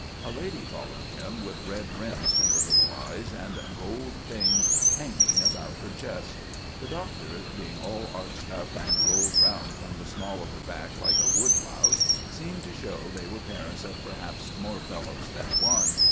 A lady followed him with red rims to her little eyes and gold things hanging about her chest. The Doctor, being all arched up and rolled round from the small of the back like a wood louse, seemed to show they were parents of perhaps more fellows than one.